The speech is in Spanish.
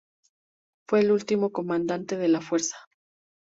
Él fue el último comandante de la fuerza.